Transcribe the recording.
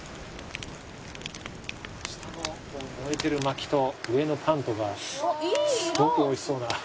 下の燃えてる薪と上のパンとがすごく美味しそうな。